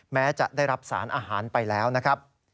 แม้จะได้รับสารอาหารไปแล้วนะครับ